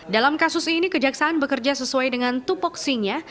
dalam kasus ini kejaksaan bekerja sesuai dengan tupoksinya